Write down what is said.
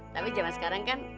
tapi zaman sekarang kan